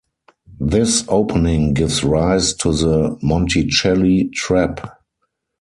This opening gives rise to the Monticelli Trap.